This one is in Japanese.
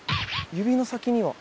指の先には。